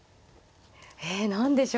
え何でしょうか。